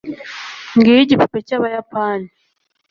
ngiyo igipupe cyabayapani